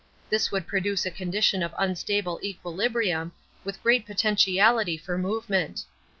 This would produce a condition of unstable equilibrium, with great potentiality for movement.